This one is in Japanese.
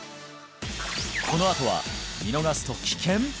このあとは見逃すと危険！？